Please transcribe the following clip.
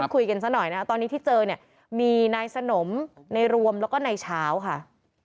คุยกันซะหน่อยนะคะตอนนี้ที่เจอเนี่ยมีนายสนมในรวมแล้วก็นายเช้าค่ะ